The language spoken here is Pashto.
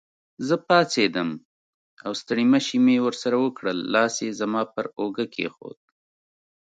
زه پاڅېدم او ستړي مشي مې ورسره وکړل، لاس یې زما پر اوږه کېښود.